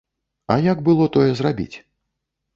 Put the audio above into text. А як было тое зрабіць?